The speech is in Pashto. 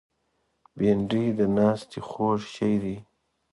بېنډۍ د ناستې خوږ شی وي